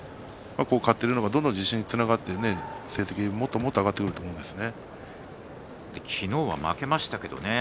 ここ勝っていけばどんどん自信につながって成績ももっともっと上がってくると思うんですよね。